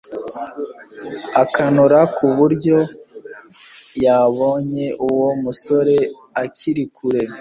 akanura kuburyo yabonye uwo musore akiri kure